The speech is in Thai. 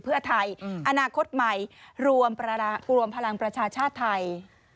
เพื่อไทยอนาคตใหม่รวมพลังประชาชาติไทย